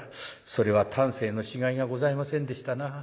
それは丹精のしがいがございませんでしたなあ。